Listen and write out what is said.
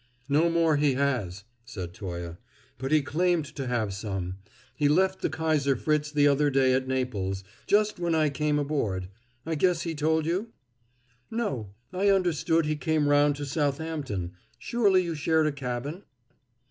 "No more he has," said Toye, "but he claimed to have some. He left the Kaiser Fritz the other day at Naples just when I came aboard. I guess he told you?" "No. I understood he came round to Southampton. Surely you shared a cabin?"